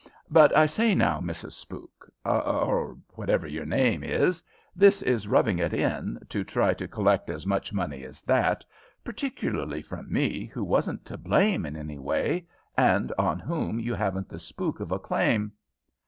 But I say now, Mrs. Spook, or whatever your name is, this is rubbing it in, to try to collect as much money as that, particularly from me, who wasn't to blame in any way, and on whom you haven't the spook of a claim."